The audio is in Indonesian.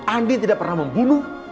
andi tidak pernah membunuh